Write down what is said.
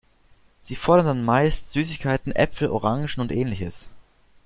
Sie fordern dann meist Süßigkeiten, Äpfel, Orangen und Ähnliches.